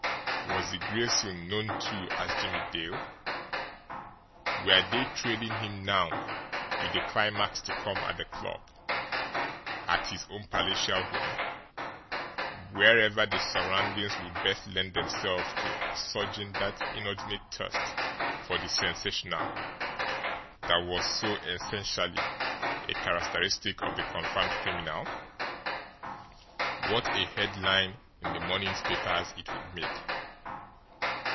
Was the Gray Seal known, too, as Jimmie Dale? Were they trailing him now, with the climax to come at the club, at his own palatial home, wherever the surroundings would best lend themselves to assuaging that inordinate thirst for the sensational that was so essentially a characteristic of the confirmed criminal? What a headline in the morning's papers it would make!